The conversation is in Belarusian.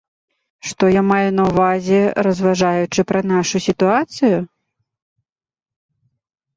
Што я маю на ўвазе, разважаючы пра нашу сітуацыю?